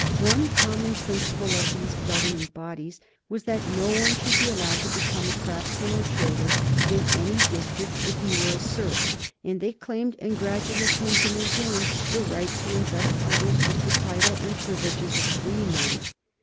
One common principle of these governing bodies was that no one should be allowed to become a craftsman or trader in any district if he were a serf, and they claimed, and gradually came to maintain, the right to invest others with the title and privileges of freemen.